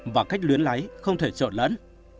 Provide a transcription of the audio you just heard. và cách luyến lái không thể trộn lẫn